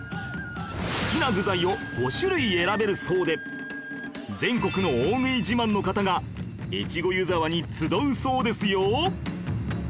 好きな具材を５種類選べるそうで全国の大食い自慢の方が越後湯沢に集うそうですよ